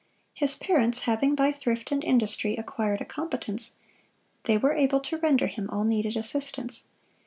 His parents having by thrift and industry acquired a competence, they were able to render him all needed assistance.